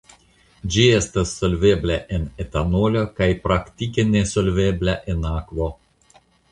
Ĝi estas solvebla en etanolo kaj praktike nesolvebla en akvo.